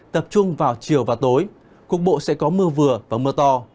tập trung vào chiều và tối cục bộ sẽ có mưa vừa và mưa to